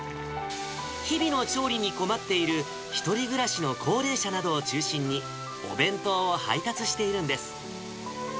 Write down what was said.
日々の調理に困っている１人暮らしの高齢者などを中心に、お弁当を配達しているんです。